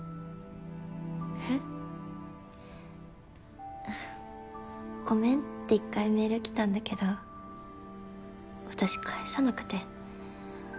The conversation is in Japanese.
えっ？あっごめんって１回メール来たんだけど私返さなくて。